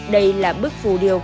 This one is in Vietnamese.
đây là bức phù điêu